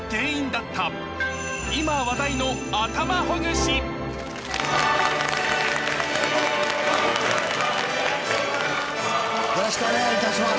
しかしよろしくお願いいたします。